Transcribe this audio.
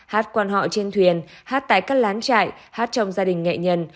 hát quan họ trên thuyền hát tại các lán trại hát trong gia đình nghệ nhân